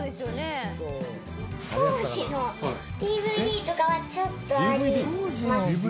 当時のＤＶＤとかはちょっとあります。